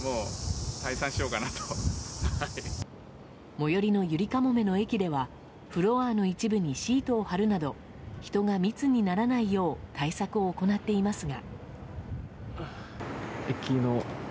最寄りのゆりかもめの駅ではフロアの一部にシートを張るなど人が密にならないよう対策を行っていますが。